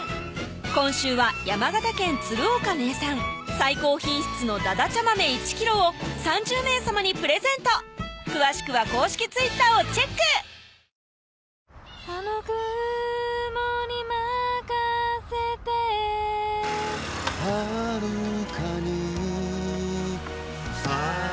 今週は山形県鶴岡名産最高品質の「だだちゃ豆」１ｋｇを３０名様にプレゼント詳しくは公式Ｔｗｉｔｔｅｒをチェックドーン！